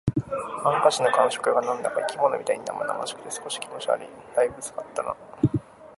ハンカチの感触が何だか生き物みたいに生々しくて、少し気持ち悪い。「大分使ったな」